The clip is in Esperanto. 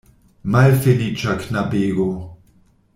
Malfeliĉa knabego!